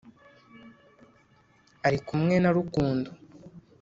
ari kumwe na Rukundo.